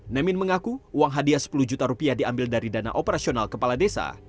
nemin mengaku uang hadiah sepuluh juta rupiah diambil dari dana operasional kepala desa